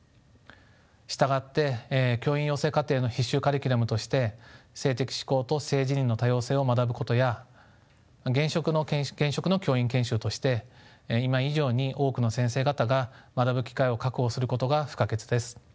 従って教員養成課程の必修カリキュラムとして性的指向と性自認の多様性を学ぶことや現職の教員研修として今以上に多くの先生方が学ぶ機会を確保することが不可欠です。